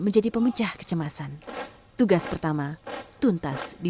tentukan kecemasan tidak digini hanging